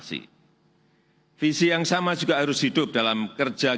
kita harus berani menerima era keterbukaan sejagat tetapi kita tidak boleh kehilangan persatuan dan persaudaraan